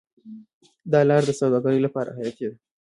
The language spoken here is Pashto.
دا لاره د سوداګرۍ لپاره حیاتي ده.